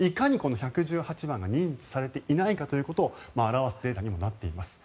いかに１１８番が認知されていないかということを表すデータになっています。